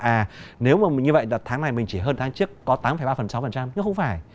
à nếu như vậy là tháng này mình chỉ hơn tháng trước có tám ba mươi sáu nhưng không phải